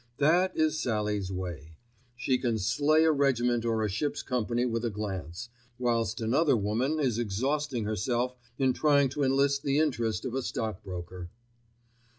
That is Sallie's way. She can slay a regiment or a ship's company with a glance, whilst another woman is exhausting herself in trying to enlist the interest of a stockbroker.